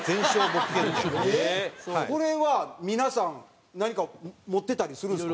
これは皆さん何か持ってたりするんですか？